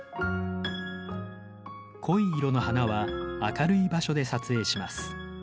濃い色の花は明るい場所で撮影します。